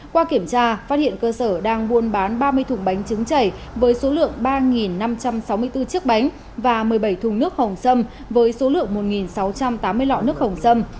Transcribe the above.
qua kiểm tra phát hiện cơ sở đang buôn bán ba mươi thùng bánh trứng chảy với số lượng ba năm trăm sáu mươi bốn chiếc bánh và một mươi bảy thùng nước hồng sâm với số lượng một sáu trăm tám mươi lọ nước hồng sâm